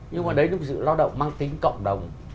nhưng mà đấy là một sự lao động mang tính cộng đồng